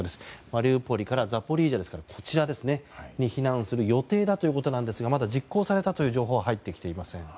マリウポリからザポリージャですからこちらに避難する予定だということなんですがまだ実行されたという情報は入ってきていません。